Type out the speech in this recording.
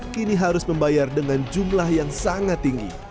kini harus membayar dengan jumlah yang sangat tinggi